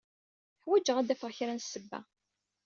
Ḥwajeɣ ad d-afeɣ kra n ssebba.